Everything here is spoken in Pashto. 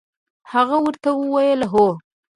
هغه ورته وویل: هو.